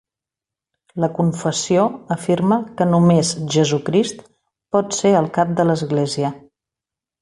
La confessió afirma que només Jesucrist pot ser el cap de l'església.